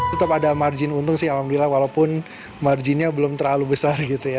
tetap ada margin untung sih alhamdulillah walaupun marginnya belum terlalu besar gitu ya